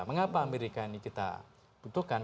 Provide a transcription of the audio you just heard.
mengapa amerika ini kita butuhkan